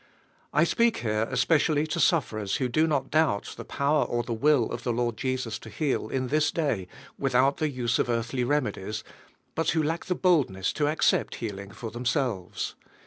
I speak here especially to sufferers who do not doubt the power or the will of the Lord Jesus to heal in this day without DrVTJTE HEALING. 45 the use of earthly remedies, but who lack the boldness to accept healing for them selves.